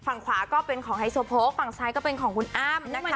ฝั่งขวาก็เป็นของไฮโซโพกฝั่งซ้ายก็เป็นของคุณอ้ำนะคะ